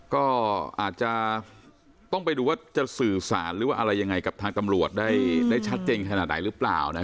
ก็อาจจะต้องไปดูว่าจะสื่อสารหรือว่าอะไรยังไงกับทางตำรวจได้ชัดเจนขนาดไหนหรือเปล่า